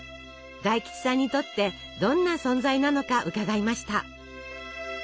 大吉さんにとってどんな存在なのか伺いました。